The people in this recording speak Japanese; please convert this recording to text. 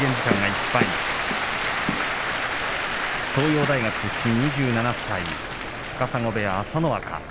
照強と東洋大学出身２７歳高砂部屋、朝乃若。